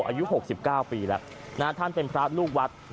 อายุ๖๙ปีแล้วท่านเป็นพระลูกวัด